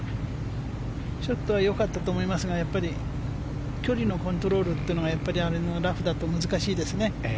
ショットはよかったと思いますがやっぱり距離のコントロールがラフだと難しいですね。